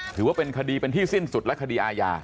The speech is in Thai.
ถือว่าเป็นคดีเป็นที่สิ้นสุดและคดีอาญา